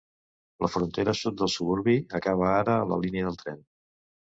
La frontera sud del suburbi acaba ara a la línia del tren.